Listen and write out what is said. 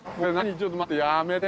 ちょっと待ってやめて。